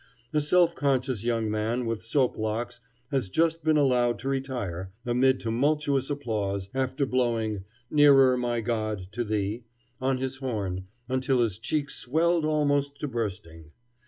A self conscious young man with soap locks has just been allowed to retire, amid tumultuous applause, after blowing "Nearer, my God, to thee" on his horn until his cheeks swelled almost to bursting.